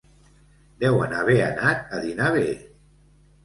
Deuen haver anat a dinar bé.